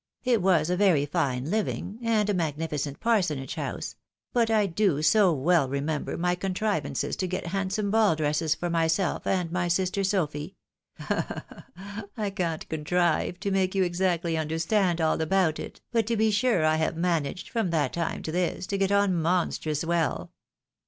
It was a very fine hving, and a magnificent parsonage house ; but I do so wellremember my contrivances to get handsome baU dresses for myself and my sister Sophy — ha ! ha ! ha !— ^I can't contrive to make you exactly understand all about it, but to be sure I have managed, from that time to this, to get on monstrous well."